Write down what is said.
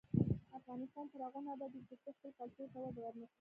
افغانستان تر هغو نه ابادیږي، ترڅو خپل کلتور ته وده ورنکړو.